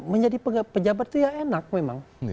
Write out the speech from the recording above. menjadi pejabat itu ya enak memang